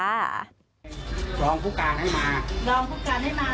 รองฟุการให้มา